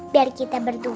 biar kita berdua